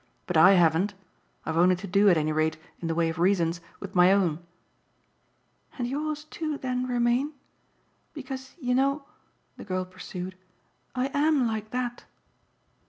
But I haven't. I've only to do at any rate, in the way of reasons, with my own." "And yours too then remain? Because, you know," the girl pursued, "I AM like that."